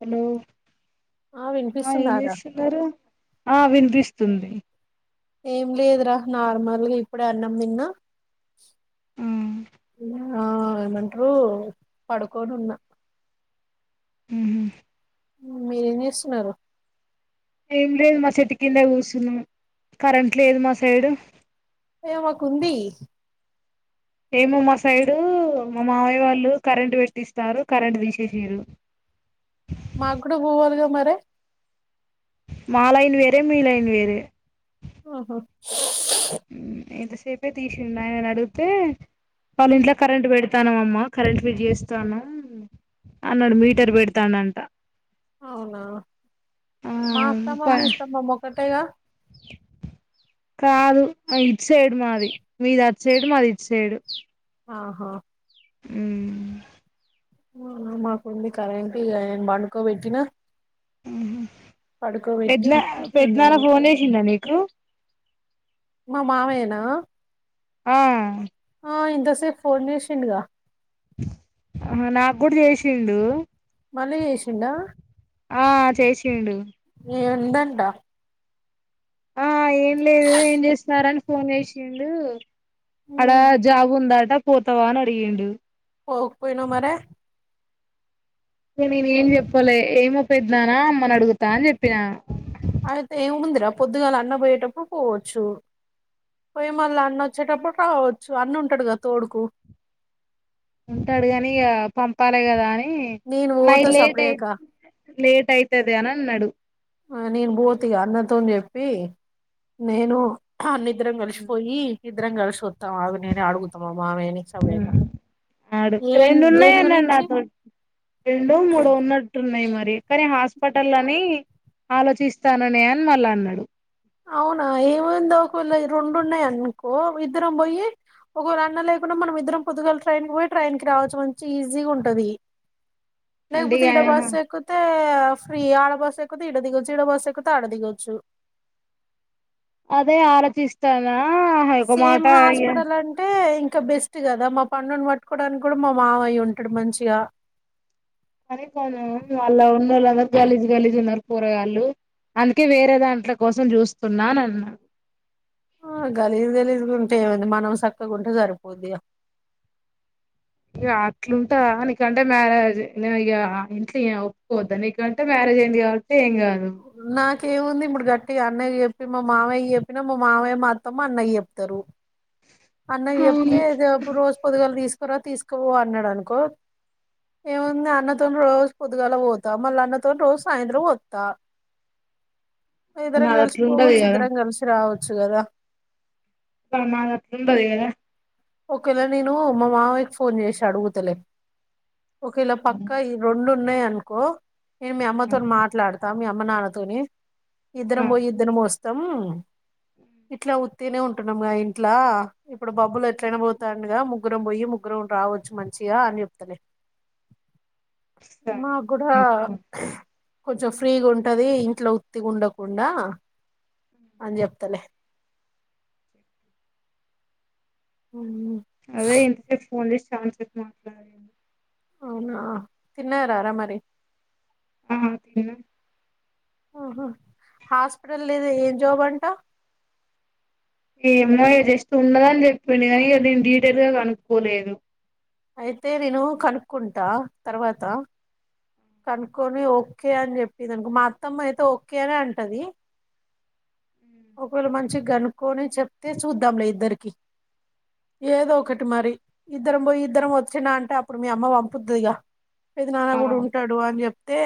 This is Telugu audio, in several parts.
హలో ఆ ఏం చేస్తున్నారు ఆ వినిపిస్తుంది ఏం లేదురా నార్మల్గా ఇప్పుడె అన్నం తిన్న [unintelligible] ఆ ఏమంటరు పడుకోని ఉన్నా మీరేం చేస్తున్నారు ఏం లేదు మా చెట్టు కింద కూర్చున్నం కరెంట్ లేదు మా సైడు ఏమాకు ఉంది ఏమో మా సైడు మా మావయ్య వాళ్ళు కరెంట్ పెట్టిస్తారు కరెంట్ తీసేసిరు మాక్కూడా పోవాలగా మరే మాలైన్ వేరే మీలైన్ వేరే ఓహో మ్ ఎంతసేప్ చెప్పే తీసిండు ఆయనను అడిగితే వాళ్ళింట్లొ కరంట్ పెడి తానం అమ్మ కరెంట్ ఫిట్ చేస్తానం అన్నాడు మీటర్ పెడతనంట అవునా మా ప స్థంభం మీ స్థంభం ఒకటేగా కాదు అ ఇటుసైడు మాది మీది అటుసైడు మాది ఇటుసైడు ఆహా ఉమ్ ఆహా మాకుంది కరెంట్ ఇగ ఆయను బండుకోబెట్టినా పెద్నా అన్నం పెద్ద్నాన్న తిన్న ఫోన్ చేసిండనే ఉ మా మావయ్యనా ఆ ఆ ఇంతసేపు ఫోన్ చేసిండు గా ఆహ నాగ్గుడ చేసిండు మళ్ళీ చేసిండా ఆ చేసిండు ఇయాల ఉందంట ఆ ఏ ఏం లేదు ఏం చేస్తున్నారని ఫోన్ చేసిండు అడా జాగ ఉందట పోతవా అనడిగిండు పోకపోయినవ్ మరే ఇగ నేనేం చెప్పలే ఏమొ పెద్నాన్నా అమ్మని అడుగుతా అని చెప్పినా అయితే ఏముముందిరా పొద్దుగాల అన్న పోయేటప్పుడు పోవచ్చు పోయే మళ్ళీ అన్న వచ్చేటప్పుడు రావచ్చు అన్న ఉంటాడు కదా తోడుకు ఉంటాడు కాని ఇగ పంపాలి కదా అని నీ నేను పోతా నైట్ లేట్ అయ్ సపరేక లేట్ అయితది దే అనన్నాడు ఆ నేను బోతిగా అన్న తోన్చెప్ చెప్పి నేను ఆ మనిద్రం కలిసిపోయి ఇద్దరం కలిసి వస్తాం ఆగు నేనే అడుగుతా మా మామయ్యని సపడేక అడు ఏం రెండు దేని ఉన్నాయిన్నండి గురించి నాతోని రెండు మూడు ఉన్నట్టున్నాయి మరి కానీ హాస్పిటల్ అని ఆలోచిస్తాన్ననే అని మళ్ళా అన్నాడు అవునా ఏమైందో ఒకవేళ రెండు ఉన్నాయి అనుకో ఇద్దరం పోయి ఒకవేళ అన్నా లేకుండా మనం ఇద్దరం పొదుగాల ట్రైన్కి పోయి ట్రైన్కి రావచ్చు మంచి ఈజీగా ఉంటుంది అంటే లేకపోతే ఇగ ఇడ బస్ ఎక్కితే ఫ్రీ ఆడ బాస్ ఎకైకుతే ఇడ దిగుచ్చు ఇడ బాస్ ఎక్కుతే ఆడ దిగొచ్చు అదే ఆరాచిస్తాను ఆహ ఒక సేమ్ మాట ఇగ హాస్పిటల్ అంటే ఇంకా బెస్ట్ కదా మా పండుని పట్టుకోవడానికి కూడా మా మావయ్య ఉంటాడు మంచిగా అదే‌ కానీ వాళ్ళ ఉన్న వాళ్ళా గలీజు గలీజు ఉన్నారు పోరగాళ్ళలు అందుకే వేరే దాంట్ల కోసం చూస్తున్నా అని అన్నా ఆ గలీజ్ గలీజ్గుంటే ఏముంది మనం చక్కగుంటే సరిపోద్దిగ ఇక అట్లుంటదా నీకంటే మ్యారేజ్ ఇక ఇంట్లో ఏం ఒప్పుకోవద్దా నీకంటే మ్యారేజ్ అయింది కాబట్టి ఏంకాదు నా ఇంకేముంది ఇప్పుడు గట్టిగ అన్నయ్య చెప్పి మా మామయ్య చెప్పినా మా మామయ్య మా అత్తమ అన్నయ్య కు చెప్తరు అన్నకు చెప్తే అప్పుడు రోజు పొదుగాలు తీసుకు తీసుకుపొ అన్నడు అనుకో ఏముంది అన్నతోని రోజు పొద్దుగాల పోతా మళ్ళ అన్నతోని రోజు సాయంత్రం వస్తా ఇద్దరం నాది కలిసి అట్లుండదు పోవచ్చు కదా ఇద్దరం కలిసి రావచ్చు స్గద [unintelligible] మాదట్లుండదు గదా ఓకే లె నేను మా మామయ్యకి ఫోన్ చేసి అడుగుతలే ఒకేళ పక్క ఈ రెండు ఉన్నాయి అనుకో నేను మీ అమ్మతోని మాట్లాడుత తా మీ అమ్మ నాన్న తోని ఇద్దరం ఆ పోయి ఇద్దరం వస్త త్తం ఇట్లా ఉత్తిగనే ఉంటున్నాం గ ఇంట్లా ఇప్పుడు బబ్బులు ఎటైనబోతాండగా ముగ్గురం పోయి ముగ్గురం రావచ్చు మంచిగా అని చెప్తలే సరే మా కూడా కనుక్కో కొంచెం ఫ్రీగ ఉంటది ఇంట్లో ఉత్తిగ ఉండకుండా అని చెప్తలే ఉమ్, అదే ఎంత కి ఫోన్ చేస్ చఛాన్సెస్ మాట్లాడడి [inaudible] అవునా తిన్నార రా మరి ఆ ఆహ హాస్పిటల్ ఇది ఏం జాబ్ అంటా ఏమోయ జెస్ట్ ఉండదని చెప్పిండు కానీ ఇక నేను డీటెయిల్ గా కనుక్కోలేదు అయితే నేను కనుక్కుంటా తర్వాత కనుక్కొని ఓకే అని చెప్పిందనుకొ మా అత్తమ్మ అయితే ఓకే అనే అంటది ఒకవేళ మంచి కనుక్కొని చెప్తే చూద్దాంలే ఇద్దరికి ఏదో ఒకటి మరి ఇద్దరం పోయి ఇద్దరం వచ్చినా అంటే అప్పుడు మీ అమ్మ పంపుద్ది ఇగ పెది నాన్న ఆ కూడా ఉంటాడు అని చెప్ తే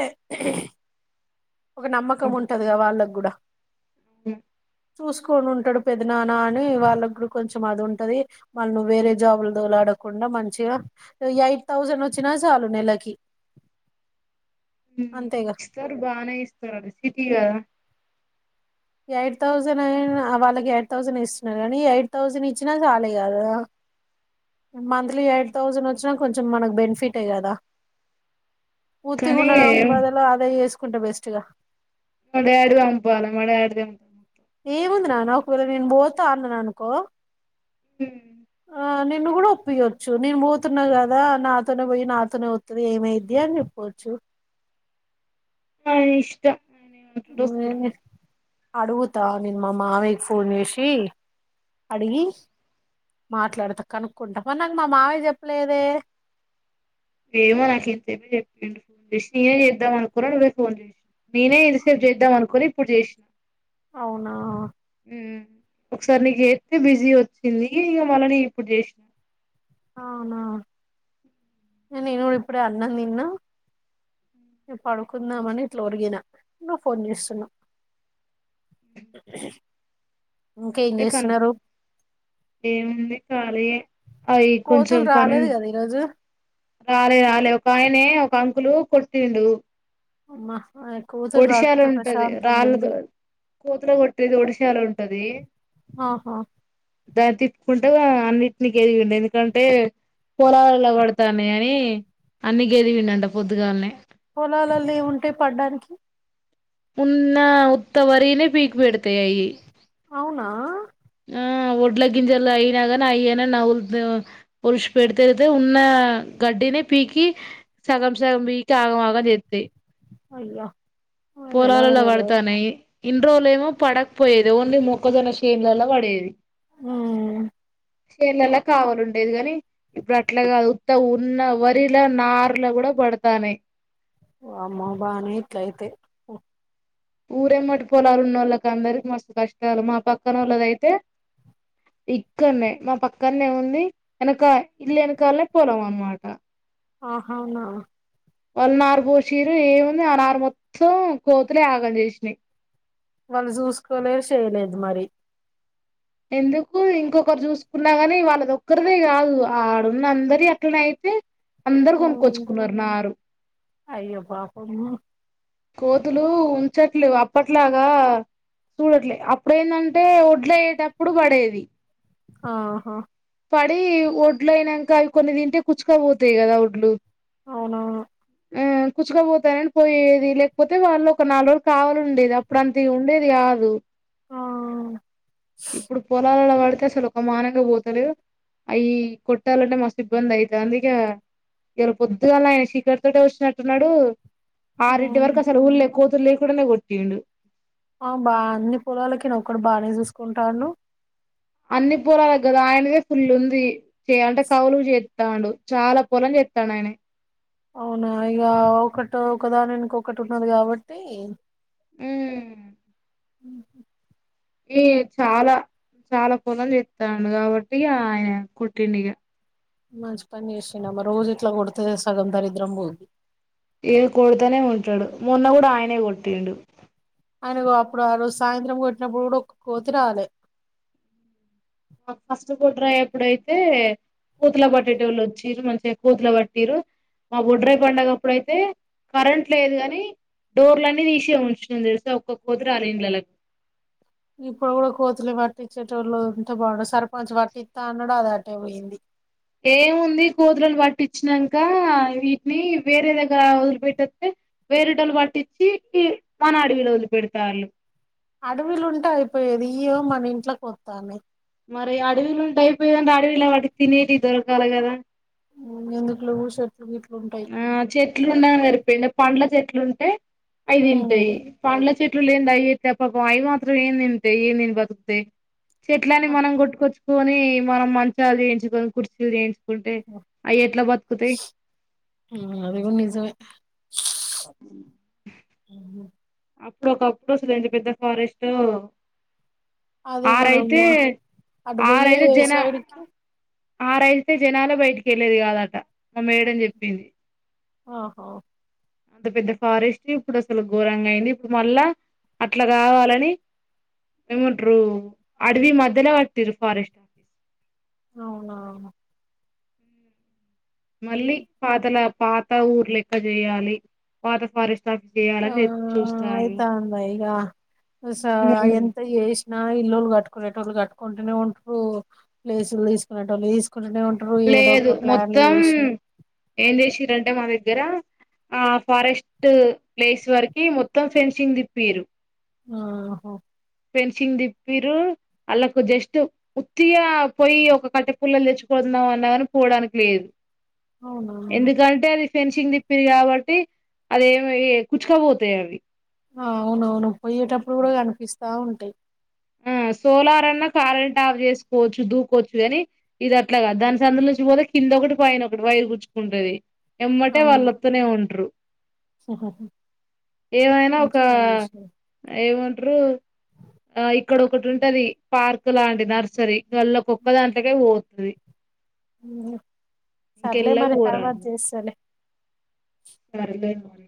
ఒక నమ్మకం అబ్ ఉంటదిగా వాళ్ళకు చూసుకొని ఉంటడు పెద్దనానా అని వాళ్ళకి కూడా కొంచెం అది ఉంటది. వాళ్ళ ను వేరే జాబుల దేవలాడకుండా మంచిగా ఎయిట్ థౌసండ్ వచ్చినా చాలు నెలకి. ఉ అంతేగా ఇస్తారు బానే ఇస్తారు సిటీ కదా ఎయిట్ థౌసండ్ అయినా వాళ్ళకి ఎయిట్ థౌసండ్ ఇస్తున్నారు. కానీ ఎయిట్ థౌసండ్ ఇచ్చినా చాలు ఇక మంత్లీ ఎయిట్ థౌసండ్ వచ్చినా కొంచెం మనకు బెనిఫిటే కదా. ఉత్తిగ కానీ ఉండడం బదులు అదే చేసు కుంటే బెస్ట్గా మ డాడి పంపాల మ డాడి [unintelligible] అంప ఏముంది నాన్న ఒకవేళ నేను పోతా అన్నాను అనుకో హ ఆ నిన్ను కూడా ఒప్పియచ్చు. నేను పోతున్నా కదా నాతోనే పోయి నాతోనే వత్తది. ఏమైద్ది అని చెప్పోచ్చు. ఇష్టం [unintelligible] అడుగుతా నేను మా మావయ్యకి ఫోన్ చేసి అడిగి మాట్లాడతా కనుక్కుంటా మారీ నాకు మా మావయ్య చెప్పలేదే ఏమో నాకు ఏం తేలియట్లేదు. ఋషియే చేద్దాం అనాకున్నాడు నువ్వే ఫోన్ జెసి నేనే ఎంతసేపు చేద్దాం అనుకుని ఇప్పుడు చేసిన అవునా ఒకసారి నీకు చెత్తే బిజీ వోచ్చింది. ఇక మళ్ళ నికు ఇప్పుడు చేసినా అవునా. నేను ఇప్పుడే అన్నం తిన్నా పడుకుందామని ఇట్లా ఒరిగిన నువ్వు ఫోన్ చేస్తున్నావు. ఇంకేం అదే కనుకొ చేస్తున్నారు ఏముంది సాలే [unintelligible] అయి కొంచెం కోతులు పని రాలేదు కదా ఈరోజు రాలే రాలే ఒక ఆయనే కాంకులు కొట్టిండు. అమ్మ ఒడిశలో ఉంటది. రాళ్ళతో ఉంది కోతులను కొట్టేది ఒడిశలో ఉంటది. ఆహా దాన్ని తిప్పుకుంటే అన్నింటినీ గేదివిండు ఎందుకంటే పొలాలల్లో పడతాన్నాయి అని అన్ని గేదివిండు అంట పొద్దుగాలనే పొలాలలో ఏ ఉంటయి. పడ్డానికి ఉన్న ఉత్త వరీనే పీకి పెడుతాయి అయి అవునా ఆ ఒడ్ల గింజలు అయినా గాని అయ్యైన నవ్వులుతాయి ఓలుషు పెడితే ఐతే ఉన్న గడ్డినే పీకి సగం సగం పీకి ఆగం ఆగం చేత్తయి. అయ్యా పోలాలల్లో వాడతాన్నాయి. ఇన్ని రోజులు ఏమో పడకపోయేది ఓన్లీ మొక్కజొన్న షేన్లలో పడేది. అ చేన్ లాల్ల కావాల ఉండేది. గా నీ ఇప్పుడు అట్లా గాదు ఉత్తగా ఉన్న వరిలా నార్ల కూడా పడతాన్నాయి. ఓ ఆమ్మే బానే ఇట్ల అయితే ఊరేమ్మటి పొలాలు ఉన్నోళ్ళకి అందరికీ మస్తు కష్టాలు మా పక్కన వాళ్ళదయితే ఇక్కన్నే మా పక్కన్నే ఉంది. వెనక ఇల్లు వెనకాలనే పొలం అన్నమాట ఆహా అవునా వాళ్ళు నార్ పోషీరు ఏముంది. ఆ నారు మొత్తం కోతులే ఆగం జెసినాయి. వాళ్ళు చూసుకోలే చేయలేదు మరి ఎందుకు ఇంకొకరు చూసుకున్నా కాని వాళ్ళది ఒక్కరిదే కాదు ఆడున్న అందరియి అట్నే అయితే అందరు హ్ కొనుక్కొచ్చుకున్నారు నారు అయ్యో పాపము కోతులు ఉంచట్లేవ్ అప్పట్లాగా చూడట్లే అప్పుదెండంటే ఒడ్లయ్యేటప్పుడు పడేది. ఆహా పడి ఒడ్లు అయినంక అవి కొన్ని తింటే కూచ్చుక పోతాయి కదా ఒడ్లు అవునా ఆ కుచ్చుకపోతన్నాయి పోయేది లేకపోతే వాళ్ళు ఒక నాలుగు రోజులు కావాలీ ఉండేది. అప్పుడు అంత ఇగ ఉండేది కాదు. ఆ ఇప్పుడు పోలలల్ల వా అయితే అసలు ఒక మానంగా పోతలేవ్ అవి కొట్టాలంటే మస్తు ఇబ్బంది. అయితంది ఇగ ఇయాలా పొద్దుగాన్నే ఆయన చీకటి తోటే వచ్చినట్టున్నాడు. ఆరు ఇంటి ఉమ్ వరకు ఆసలు ఉల్లే కోతుల్లెకుంటనే కొట్టిండు ఆ బ్బ అన్ని పొలాలకియన ఒక్కడు బానే చూసుకుంటాడు అన్ని పొలాలకు కదు అయినదే ఫుల్ ఉంది చే అంటే కవులుకు చేతండు చాలా పొలం చేతండు ఆయినే అవునా ఇగ ఒకటో ఒకదానేనుకా ఒకటి ఉన్నది కాబట్టి ఉ ఈ చాలా చాలా పొలలు చెస్తాండు కాబట్టి ఇగ ఆయిన కొట్టిండు ఇగా మంచి పని చేసిండమ్మా రోజు ఇట్లా కొడుతే సగం దరిద్రం పోవ్ ఏది కొడతానే ఉంటాడు మొన్న కూడా ఆయినే కొట్టిండు ఆయిన కొ అప్పుడు ఆ రోజు సాయంత్రం కొట్టినప్పుడు కూడా ఒక్క కోతి రాలే మాక్ ఫస్ట్ బొడ్రాయి అప్పుడైతే కోతుల బట్టేటోళ్ళు వచ్చిర్రు మంచి కోతులు పట్టిరు మా బొడ్రై పండగప్పుడు అయితే కరెంట్ లేదుగాని డోర్లు అన్ని తీసే ఉంచిన్నం తెలుసా ఒక్క కోతి రాలే ఇండ్లళ్ళకు ఇప్పుడు కూడా కోతులే పట్టిచ్చేటోళ్ళు ఉంటే బాగుండు సర్పంచ్ పట్టిత్త అన్నాడు. అది అటే పోయింది. ఏముంది కోతులను పట్టిచ్చినంక వీటిని వేరే దగ్గర వదిలిపెట్టత్తే వేరేటోల్లు పట్టించి మన అడవిలో వదిలి పెడతాళ్ళు. అడవిల ఉంటే అయిపోయేది. ఇయ్యో మన ఇంట్లోకోత్తాన్నయి. మరి అడవిల ఉంటే అయిపోయిదంటే అడవిలో వాటికి తినేవి దొరకాలి కదా ఎందుకులో ఊ షర్ట్ ఆ చెట్లు ఉండ మరి పిండ పండ్ల చెట్లుంటే అయి తింటయి పండ్ల చెట్ ట్లు లేంది అయ్యి దెబ్బకు అయ్యి మాత్రం ఏం తింటాయి ఏం తిని బతుకుతయి చెట్లని మనం కొట్టుకోచ్చు కొని మనం మంచాలు చేయించుకొని కుర్చీలు చేయించు కుంటే అవి ఎట్లా బతుకుతాయి అది గుడ నిజమే అప్పుడు ఒకప్పుడు అసలు ఎంత పెద్ద ఫారెస్టో అదే మనము అటుబొయ్యే సైడ్కి ఆ రైతే జనాలే బయటికేళ్ళేది కాదట మా మేడం చెప్పింది ఆహ అంత పెద్ద ఫారెస్ట్ ఇప్పుడు అసలు ఘోరంగా అయింది ఇప్పుడు మళ్ళా అట్లా కావాలని ఏమంటారు అడవి మధ్యనే పట్టిరు ఫారెస్ట్ అవునా మళ్ళీ పాతలా పాత ఊర్ లెక్క చేయాలి పాత ఫారెస్ట్ ఆఫీస్ ఆ చేయాలని ఆయి చూస్తారు తందా ఇగ స ఎంత చెస్ అ ఇల్లులు కట్టుకునే టోళ్ళు కట్టుకుంటేనే ఉంట్రూ ప్లేసులు తీసుకునే టోళ్ళు తీస్ లేదు మొత్తం ఏం చేసిరం అంటే మా దగ్గర ఆ ఫారెస్ట్ ప్లేస్ వరకి మొత్తం ఫెన్సింగ్ తిప్పిర్రు ఆహో ఫెన్సింగ్ తిప్పిరు వాళ్ళకు జస్ట్ ఉత్తిగా పోయి ఒక కట్టె పుల్లలు తెచ్చుకుతున్నాం అన్నా కాని పోవడానికి లేదు అవునవును ఎందుకంటే అది ఫెన్సింగ్ తిప్పిర్ కాబట్టి అదిమి కుచుకపోతాయి అవి అవునవును పోయేటప్పుడు కూడా కనిపిస్తా ఉం ట ఆ సోలార్ అన్నా కరెంట్ ఆఫ్ చేసుకోవచ్చు దూకోవచ్చు కాని ఇది అట్లాగాదు దాని సంద నుంచి పోతే కింద ఒకటి పైన ఒకటి వైర్ కూచ్చుకుంటది ఎమ్మటే అవును వాళ్ళప్తూనే ఉంటరు ఏమైనా ఒక మంచి పని చేసినవ్ ఏమంటారు ఇక్కడ ఒకటి ఉంటది పార్క్ లాంటి నర్సరీ వల్ల ఒొక్క దాంట్క పో ది సర్లే మరి తర్వాత చేస్తలే సరిలే మరి